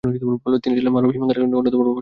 তিনি ছিলেন মারুফ কারখীর অন্যতম প্রভাবশালী ছাত্র।